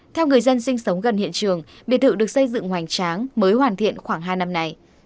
theo người dân sinh sống gần hiện trường biệt thự được xây dựng hoành tráng mới hoàn thiện khoảng hai năm nay